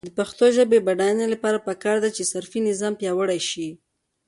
د پښتو ژبې د بډاینې لپاره پکار ده چې صرفي نظام پیاوړی شي.